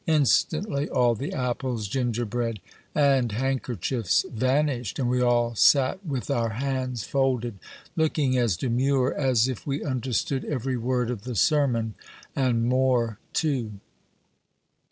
Instantly all the apples, gingerbread, and handkerchiefs vanished, and we all sat with our hands folded, looking as demure as if we understood every word of the sermon, and more too.